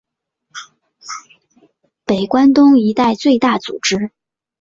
北关东一带最大组织。